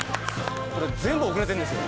俺全部遅れてんですよ